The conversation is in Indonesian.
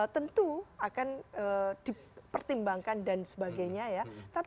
tentu akan dipertimbangkan dan sebagainya ya